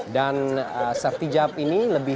dan sertijab ini lebih